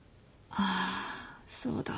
あそうだ。